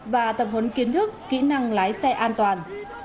và tập huấn kiến thức kỹ năng lái xe an toàn